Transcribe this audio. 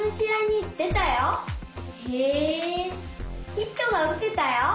ヒットがうてたよ。